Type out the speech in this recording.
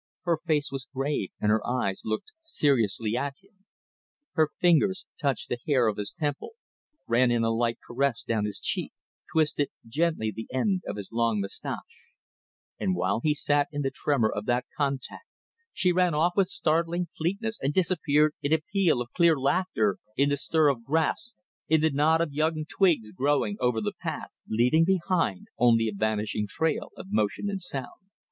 Her face was grave and her eyes looked seriously at him. Her fingers touched the hair of his temple, ran in a light caress down his cheek, twisted gently the end of his long moustache: and while he sat in the tremor of that contact she ran off with startling fleetness and disappeared in a peal of clear laughter, in the stir of grass, in the nod of young twigs growing over the path; leaving behind only a vanishing trail of motion and sound.